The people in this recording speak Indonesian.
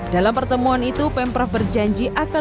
dalam pertemuan itu pemprov berjanji akan mencari penyelenggaraan